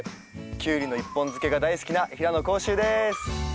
キュウリの一本漬けが大好きな平野宏周です！